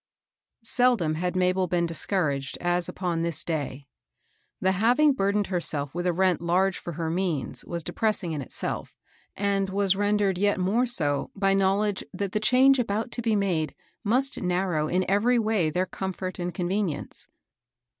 ELDOM had Mabel been discouraged as upon this day. The having burdened II herself with a rent large for her means was depressing in itself, and was rendered yet more so by knowledge that the change about to be made must narrow in every way their comfort and convenience.